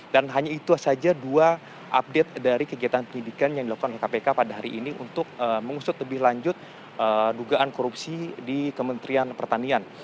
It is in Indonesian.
dan hanya itu saja dua update dari kegiatan penyidikan yang dilakukan oleh kpk pada hari ini untuk mengusut lebih lanjut dugaan korupsi di kementerian pertanian